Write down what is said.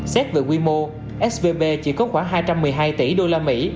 xét về quy mô svp chỉ có khoảng hai trăm một mươi hai tỷ usd